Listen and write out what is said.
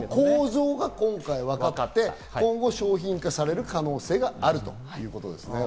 構造が分かって今後商品化される可能性があるということですね。